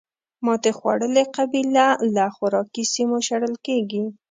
ماتې خوړلې قبیله له خوراکي سیمو شړل کېږي.